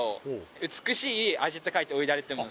えっ美しい味って書いて「おいだれ」なの？